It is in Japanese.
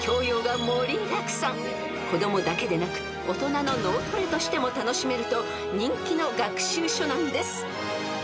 ［子供だけでなく大人の脳トレとしても楽しめると人気の学習書なんです］